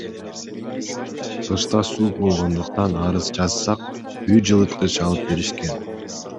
Кышта суук болгондуктан, арыз жазсак, үй жылыткыч алып беришкен.